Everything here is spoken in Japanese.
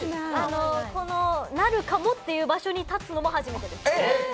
なるかもっていう場所に立つのも初めてです。